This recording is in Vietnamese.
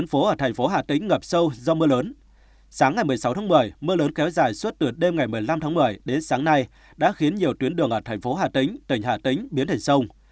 mưa lớn kéo dài suốt từ đêm ngày một mươi năm tháng một mươi đến sáng nay đã khiến nhiều tuyến đường ở thành phố hà tĩnh tỉnh hà tĩnh biến thành sông